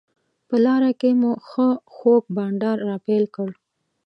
په لاره کې مو ښه خوږ بانډار راپیل کړ.